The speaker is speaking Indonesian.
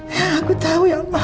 yang aku tau ya allah